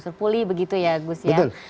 sampai berangsur angsur pulih begitu ya gus ya